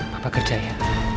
papa kerja ya